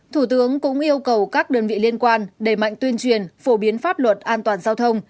thủ tướng cũng yêu cầu các đơn vị liên quan đẩy mạnh tuyên truyền phổ biến pháp luật an toàn giao thông